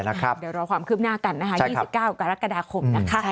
เดี๋ยวรอความคืบหน้ากันนะคะ๒๙กรกฎาคมนะคะ